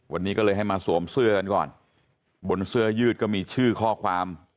วันนี้ก็เลยให้มาสวมเสื้อกันก่อนบนเสื้อยืดก็มีชื่อข้อความ